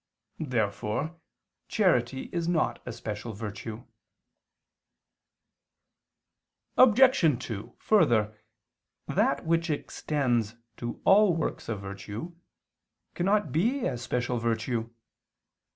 Therefore charity is not a special virtue. Obj. 2: Further, that which extends to all works of virtue, cannot be a special virtue.